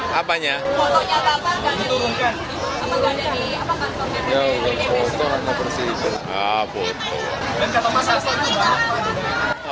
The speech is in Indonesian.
dan kata masalahnya apa